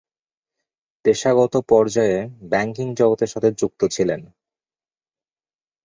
পেশাগত পর্যায়ে ব্যাংকিং জগতের সাথে যুক্ত ছিলেন।